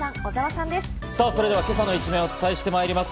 さぁそれでは今朝の一面をお伝えしてまいります。